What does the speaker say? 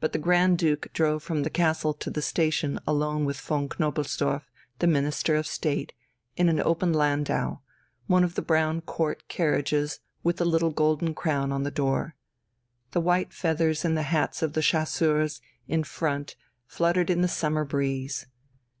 But the Grand Duke drove from the castle to the station alone with von Knobelsdorff, the Minister of State, in an open landau, one of the brown Court carriages with the little golden crown on the door. The white feathers in the hats of the chasseurs in front fluttered in the summer breeze.